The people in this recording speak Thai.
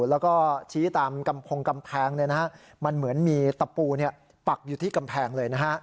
แล้วก็ชี้ตามกำพงกำแพงมันเหมือนมีตะปูปักอยู่ที่กำแพงเลย